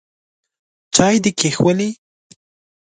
چای دي کښېښوولې ؟